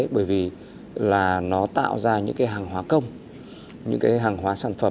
bởi vì nó tạo ra những hàng hóa công những hàng hóa sản phẩm